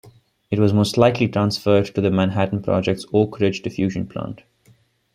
It was most likely transferred to the Manhattan Project's Oak Ridge diffusion plant.